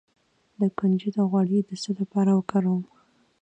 د کنجد غوړي د څه لپاره وکاروم؟